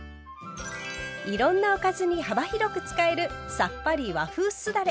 いろんなおかずに幅広く使えるさっぱり和風酢だれ。